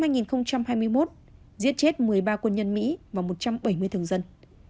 giết chết một mươi ba quân nhân mỹ và một trăm bảy mươi thường dân